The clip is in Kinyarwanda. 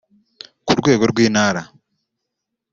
ku rwego rw’Intara